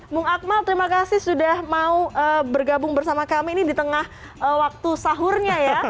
bung akmal terima kasih sudah mau bergabung bersama kami ini di tengah waktu sahurnya ya